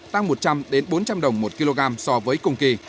tăng một trăm linh bốn trăm linh đồng một kg so với cùng kỳ